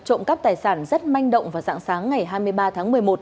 trộm cắp tài sản rất manh động và sẵn sáng ngày hai mươi ba tháng một mươi một